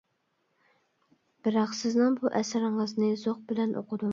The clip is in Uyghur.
بىراق سىزنىڭ بۇ ئەسىرىڭىزنى زوق بىلەن ئوقۇدۇم.